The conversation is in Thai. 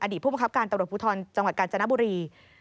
อดีตผู้ประชาการตำรวจพุทธรจังหวัดกาญจนบุรี